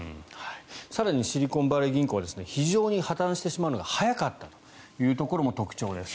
更にシリコンバレー銀行は非常に、破たんしてしまうのが早かったというところも特徴です。